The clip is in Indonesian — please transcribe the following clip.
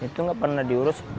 itu tidak pernah diurus